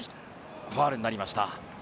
ファウルになりました。